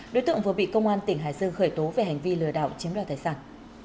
đối tượng vừa bị công an tỉnh hải dương khởi tố về hành vi lừa đảo chiếm đoạt tài sản